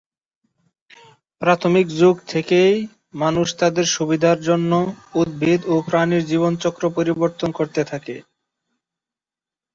প্রাথমিক যুগ থেকেই মানুষ তাদের সুবিধার জন্য উদ্ভিদ ও প্রাণীর জীবনচক্র পরিবর্তন করতে থাকে।